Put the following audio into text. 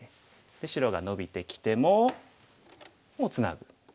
白がノビてきてももうツナぐ。